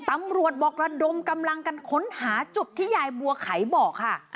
ตำรวจบอกระดมกำลังกันค้นหาจุดที่ยายบัวไขบอกค่ะ